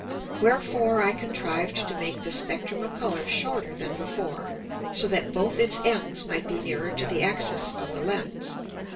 Wherefore I contrived to make the Spectrum of Colours shorter than before, so that both its Ends might be nearer to the Axis of the Lens.